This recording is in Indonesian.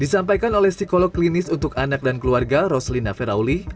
disampaikan oleh psikolog klinis untuk anak dan keluarga roslina ferauli